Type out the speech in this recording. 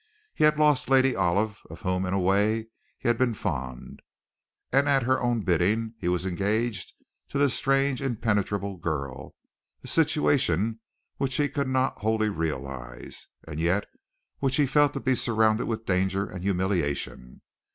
He had lost Lady Olive, of whom, in a way, he had been fond. And at her own bidding he was engaged to this strange, impenetrable girl, a situation which he could not wholly realize, and yet which he felt to be surrounded with danger and humiliation.